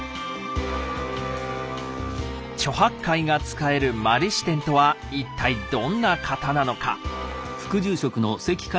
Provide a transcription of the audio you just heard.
猪八戒が仕える摩利支天とは一体どんな方なのか。